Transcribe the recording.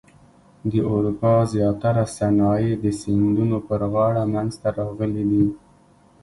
د اروپا زیاتره صنایع د سیندونو پر غاړه منځته راغلي دي.